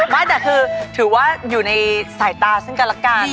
ไม่แต่คือถือว่าอยู่ในสายตาซึ่งกันละกัน